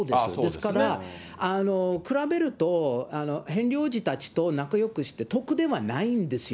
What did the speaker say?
だから比べるとヘンリー王子たちと仲よくして得ではないんですよ。